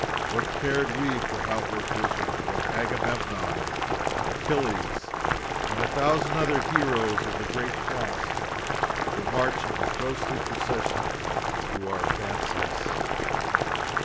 What cared we for outward visions, when Agamemnon, Achilles, and a thousand other heroes of the great Past were marching in ghostly procession through our fancies?